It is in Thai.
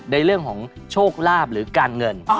ในเรื่องของโชคลาภหรือการเงิน